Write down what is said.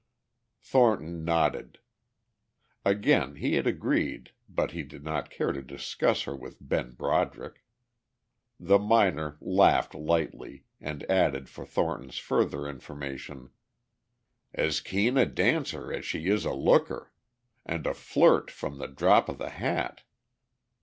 Thornton nodded. Again he had agreed but he did not care to discuss her with Ben Broderick. The miner laughed lightly, and added for Thornton's further information, "As keen a dancer as she is a looker. And a flirt from the drop of the hat!